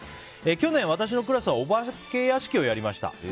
去年、私のクラスはお化け屋敷をやりました。